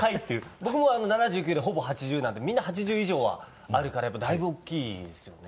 僕も１７９でほぼ１８０なんでみんな１８０以上はあるからやっぱだいぶ大きいですよね。